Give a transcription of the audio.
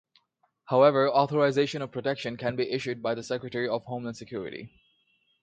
However, authorization of protection can be issued by the Secretary of Homeland Security.